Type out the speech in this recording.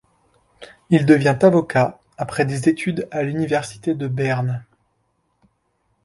Il devient avocat après des études à l'Université de Berne.